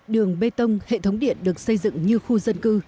đường bê tông hệ thống điện được xây dựng như khu xe